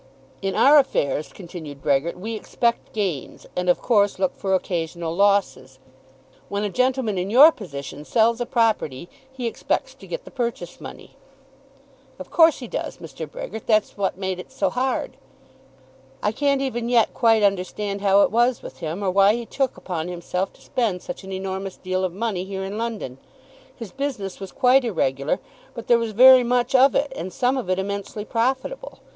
"In our affairs," continued Brehgert, "we expect gains, and of course look for occasional losses. When a gentleman in your position sells a property he expects to get the purchase money." "Of course he does, Mr. Brehgert. That's what made it so hard." "I can't even yet quite understand how it was with him, or why he took upon himself to spend such an enormous deal of money here in London. His business was quite irregular, but there was very much of it, and some of it immensely profitable.